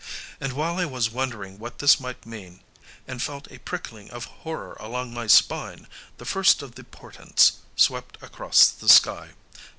And while I was wondering what this might mean and felt a prickling of horror along my spine, the first of the portents swept across the sky.